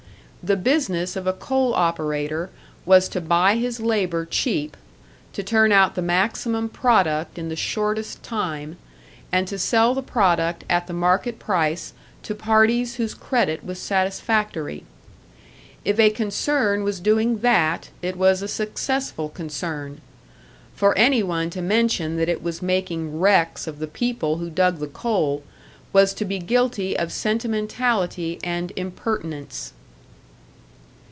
The business of a coal operator was to buy his labour cheap, to turn out the maximum product in the shortest time, and to sell the product at the market price to parties whose credit was satisfactory. If a concern was doing that, it was a successful concern; for any one to mention that it was making wrecks of the people who dug the coal, was to be guilty of sentimentality and impertinence.